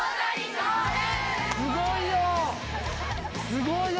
すごいよ！